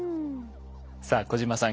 さあ小島さん